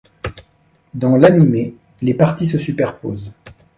Dans l'animé, les parties se superposent.